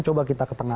coba kita ketengahkan